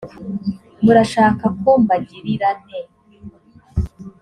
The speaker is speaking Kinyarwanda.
murashaka ko mbagirira nte